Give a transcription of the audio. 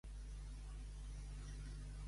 Pertany al moviment independentista la Palmira?